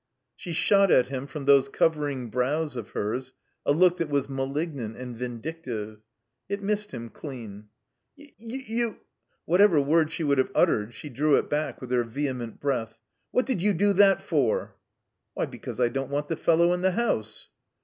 She shot at him from those covering brows of hers a look that was malignant and vindictive. It missed him clean. "Y — y — ^you !" Whatever word she would have uttered she drew it back with her vehement breath. *'What did you do that for?" "Why, because I don't want the fellow in the house."